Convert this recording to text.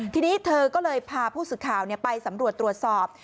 ทีนี้เธอก็เลยพาผู้สื่อข่าวไปสำรวจตรวจสอบ